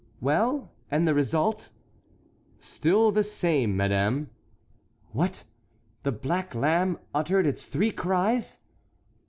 "Well—and the result?" "Still the same, madame." "What, the black lamb uttered its three cries?"